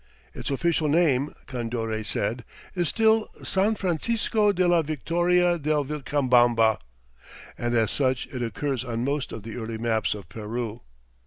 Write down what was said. Its official name, Condoré said, is still San Francisco de la Victoria de Vilcabamba, and as such it occurs on most of the early maps of Peru.